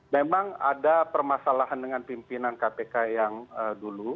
memang ada permasalahan dengan pimpinan kpk yang dulu